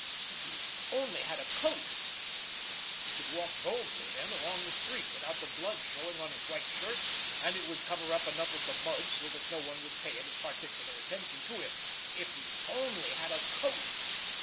If he only had a coat! He could walk boldly then along the street without the blood showing on his white shirt, and it would cover up enough of the mud so that no one would pay any particular attention to him. If he only had a coat!